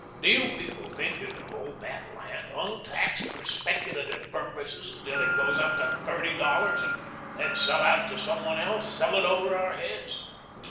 Do you people think you can hold that land, untaxed, for speculative purposes until it goes up to thirty dollars and then sell out to some one else sell it over our heads?